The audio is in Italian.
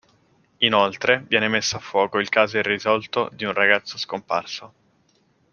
Inoltre, viene messo a fuoco il caso irrisolto di un ragazzo scomparso.